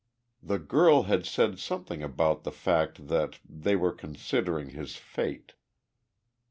The girl had said something about the fact that "they were considering his fate."